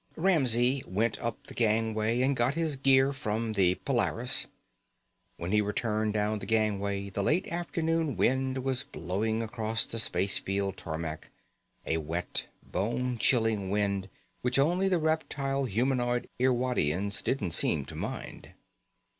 Ramsey went up the gangway and got his gear from the Polaris. When he returned down the gangway, the late afternoon wind was blowing across the spacefield tarmac, a wet, bone chilling wind which only the reptile humanoid Irwadians didn't seem to mind.